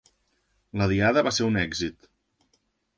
La diada va ser un èxit